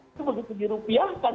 itu berarti tujuh rupiah kan